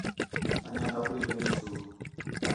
انڄیاں نوکری لڳی سو